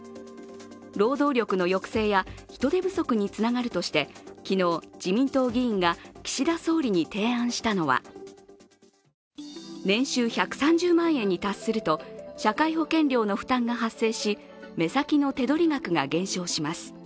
労働力の抑制や人手不足につながるとして昨日、自民党議員が岸田総理に提案したのは年収１３０万円に達すると社会保険料の負担が発生し目先の手取額が減少します。